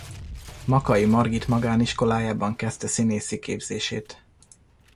Makay Margit magániskolájában kezdte színészi képzését.